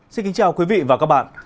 xin kính chào quý vị và các bạn